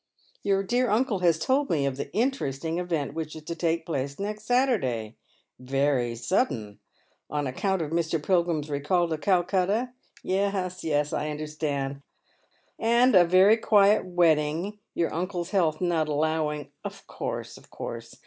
Your dear uncle has told me of the interesting event which is to take place next Saturday. Very sudden ! On account of Mr. Pilgrim's recall_ to Calcutta, yes — yes, I understand, and a very quiet wedding, your uncle's health not allowing — of course, of course.